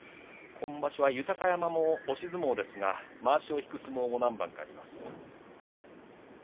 今場所は豊山も押し相撲ですがまわしを引く相撲も何番かあります。